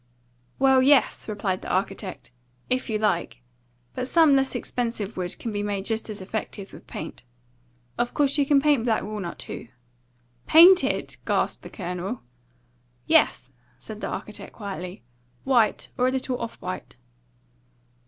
"Well, yes," replied the architect, "if you like. But some less expensive wood can be made just as effective with paint. Of course you can paint black walnut too." "Paint it?" gasped the Colonel. "Yes," said the architect quietly. "White, or a little off white."